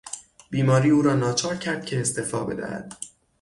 بیماری او را ناچار کرد که استعفا بدهد.